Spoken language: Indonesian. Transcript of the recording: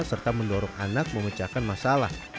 serta mendorong anak memecahkan masalah